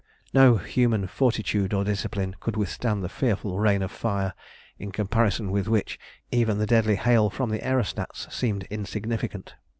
No human fortitude or discipline could withstand the fearful rain of fire, in comparison with which even the deadly hail from the aerostats seemed insignificant.